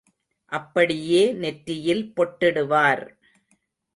அப்படியே நெற்றியில் பொட்டிடுவார்.